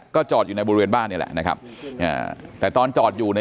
ก็จอดอยู่ในบริเวณบ้านนี่แหละนะครับอ่าแต่ตอนจอดอยู่เนี่ย